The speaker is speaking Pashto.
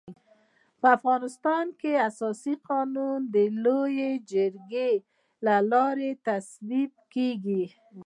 په افغانستان کي اساسي قانون د لويي جرګي د لاري تصويبيږي.